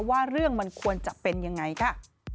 ว่าเรื่องมันควรจะเป็นยังไงค่ะ